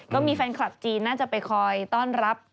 ก็มีแฟนคลับจีนน่าจะไปคอยต้อนรับ